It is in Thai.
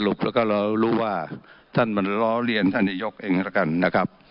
แล้วก็เรารู้ว่าท่านมันล้อเลียนท่านนายกเองก็แล้วกันนะครับ